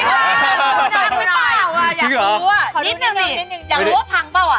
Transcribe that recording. ดูน้ำได้เปล่าอยากรู้นิดนึงอยากรู้ว่าพังป่าว